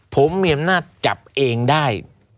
ผมมีอำนาจจับเองได้